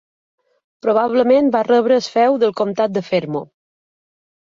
Probablement va rebre el feu del comtat de Fermo.